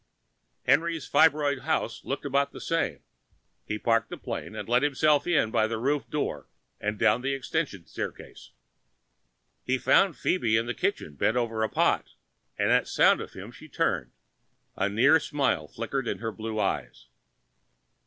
Henry's fibroid house looked about the same. He parked the plane and let himself in by the roof door and down the extension staircase. He found Phoebe in the kitchen bent over a pot, and at sound of him she turned. A near smile flickered in her blue eyes.